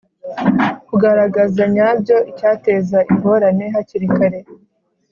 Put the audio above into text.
Kugaragaza nyabyo icyateza ingorane hakiri kare